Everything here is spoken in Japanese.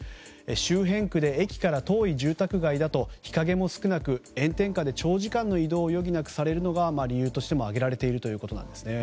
周辺区で駅から遠い住宅街だと日陰も少なく炎天下で長時間の移動を余儀なくされるのが理由としても挙げられているということです。